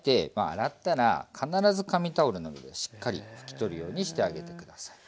洗ったら必ず紙タオルなどでしっかり拭き取るようにしてあげて下さい。